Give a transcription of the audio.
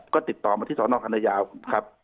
ก็ติดต่อมาที่สนคณะยาวครับ